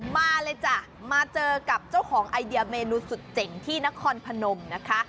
มาเลยจ้ะมาเจอกับเจ้าของไอเดียเมนูสุดเจ๋งที่นครพนมนะคะ